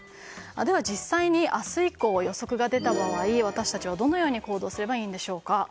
では、実際に明日以降予測が出た場合、私たちはどのように行動すればいいんでしょうか。